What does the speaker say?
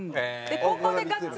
高校でガッツリ